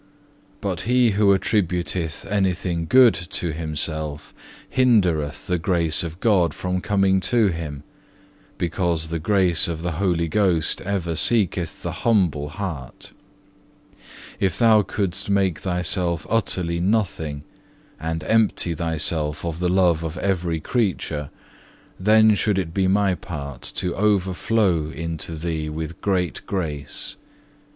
"But he who attributeth anything good to himself, hindereth the grace of God from coming to him, because the grace of the Holy Ghost ever seeketh the humble heart. If thou couldst make thyself utterly nothing, and empty thyself of the love of every creature, then should it be My part to overflow unto thee with great grace.